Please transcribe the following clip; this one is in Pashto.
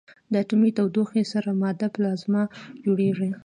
د اټومي تودوخې سره ماده پلازما جوړېږي.